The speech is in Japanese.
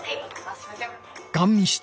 すいません！